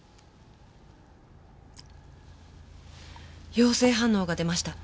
陽性反応が出ました。